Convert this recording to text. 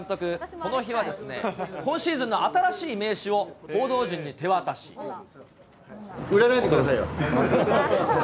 この日は、今シーズンの新しい名売らないでくださいよ。